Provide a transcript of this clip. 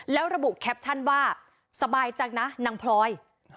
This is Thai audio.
แล้วระบุแคปชั่นว่าสบายจังนะนางพลอย